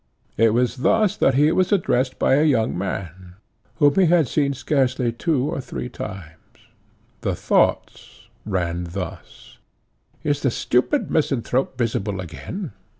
It was thus that he was addressed by a young man, whom he had seen scarcely two or three times. The thoughts ran thus; "Is the stupid misanthrope visible again?